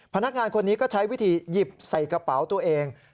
พนักงานคนนี้ก็ใช้วิธีหยิบใส่กระเป๋าตัวเอง